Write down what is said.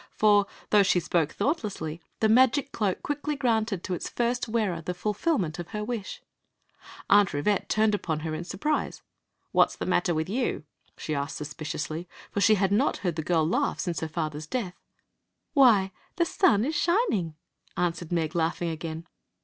For, though she spoke thoughtlessly, the magic cloak quickly granted to its first wearer the ful^ment of her wish. ' Aunt Rivette turned upon her in surprise. "What 's the matter with you? she asked suspi ciously, for she had not heard the girl laugh since her fathers death. Story of the Magic Cloak *Mi, im!> ttcsHSo rm um> aua, tutr mjooo." " Why, the sun is shining," answered Meg,^taugh ing again.